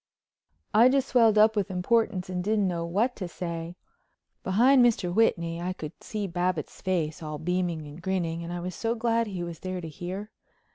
I just swelled up with importance and didn't know what to say. Behind Mr. Whitney I could see Babbitts' face, all beaming and grinning, and I was so glad he was there to hear.